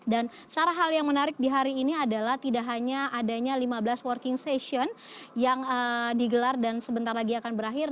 dan salah hal yang menarik di hari ini adalah tidak hanya adanya lima belas working session yang digelar dan sebentar lagi akan berakhir